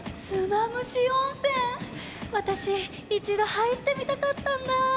わたしいちどはいってみたかったんだ。